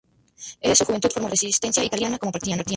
En su juventud formó parte de la resistencia italiana como partisana.